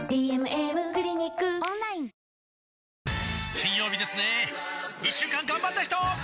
金曜日ですね一週間がんばった人！